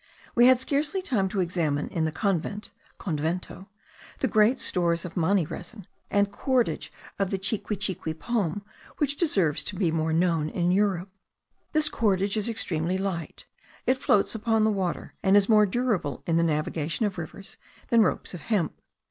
We had scarcely time to examine in the convent (convento) the great stores of mani resin, and cordage of the chiquichiqui palm, which deserves to be more known in Europe. This cordage is extremely light; it floats upon the water, and is more durable in the navigation of rivers than ropes of hemp.